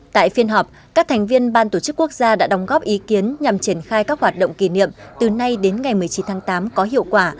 tại phiên họp các thành viên ban tổ chức quốc gia đã đóng góp ý kiến nhằm triển khai các hoạt động kỷ niệm từ nay đến ngày một mươi chín tháng tám có hiệu quả